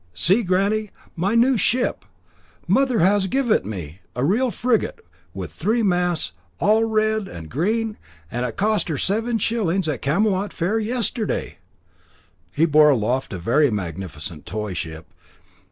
see, granny! my new ship! Mother has give it me. A real frigate with three masts, all red and green, and cost her seven shillings at Camelot Fair yesterday." He bore aloft a very magnificent toy ship.